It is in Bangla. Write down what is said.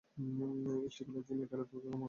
স্টিফলার, জিম এখনে তোকে ক্ষমা করে নি।